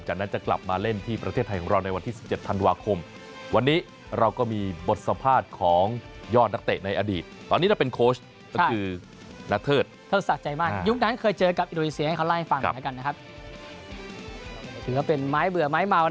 จัดนั้นจะกลับมาเล่นที่ประเทศไทยของของเรา